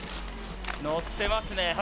乗ってますね。